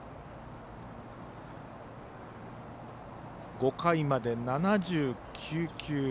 ５回まで７９球。